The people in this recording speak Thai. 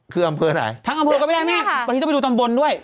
คืออำเภอไหนทั้งอำเภอก็ไม่ได้แม่บางทีต้องไปดูตำบลด้วย